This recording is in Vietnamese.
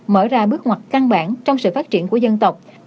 mở ra bước ngoặt căn bản trong sự phát triển của dân tộc